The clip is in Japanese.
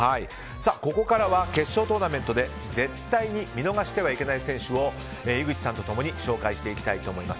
ここからは決勝トーナメントで絶対に見逃してはいけない選手を井口さんと共に紹介していきたいと思います。